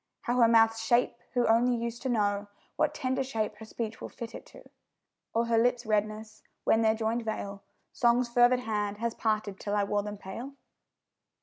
How her mouth's shape, who only use to know What tender shape her speech will fit it to? Or her lips' redness, when their joinèd veil Song's fervid hand has parted till it wore them pale?